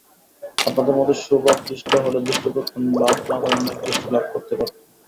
আপনাদের মতো শুভাদৃষ্ট হলে দৃষ্টিতত্ত্ব লাভ না করে অনেক দৃষ্টি লাভ করতে পারতুম।